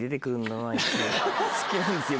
好きなんですよ